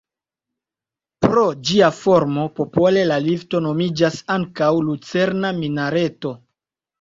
Pro ĝia formo popole la lifto nomiĝas ankaŭ Lucerna Minareto.